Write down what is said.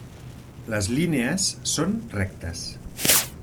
Les línies són rectes.